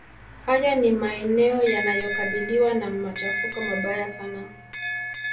Haya ni maeneo yanayokabiliwa na macahafuko mabaya sana